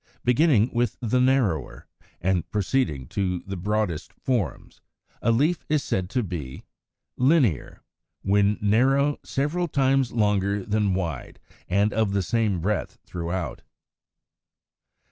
Beginning with the narrower and proceeding to the broadest forms, a leaf is said to be Linear (Fig. 115), when narrow, several times longer than wide, and of the same breadth throughout.